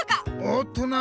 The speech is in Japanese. おっとな！